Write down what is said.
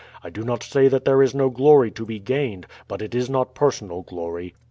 I do not say that there is no glory to be gained; but it is not personal glory.